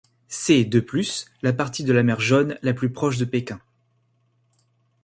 C'est de plus la partie de la mer Jaune la plus proche de Pékin.